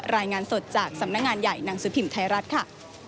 รายงานสดจากสำนักงานใหญ่หนังสือพิมพ์ไทยรัฐค่ะ